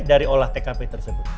dari olah tkp tersebut